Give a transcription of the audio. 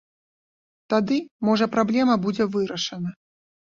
Тады, можа, праблема будзе вырашана.